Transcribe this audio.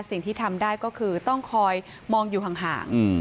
สิ่งที่ทำได้ก็คือต้องคอยมองอยู่ห่าง